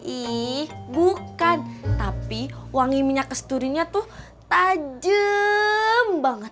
ih bukan tapi wangi minyak kesturinya tuh tajem banget